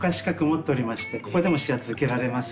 ここでも指圧受けられます。